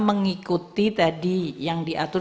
mengikuti tadi yang diatur